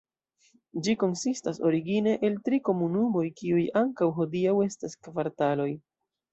Ĝi konsistas origine el tri komunumoj, kiuj ankaŭ hodiaŭ estas kvartaloj.